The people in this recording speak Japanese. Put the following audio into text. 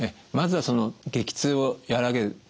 まずはその激痛をやわらげる。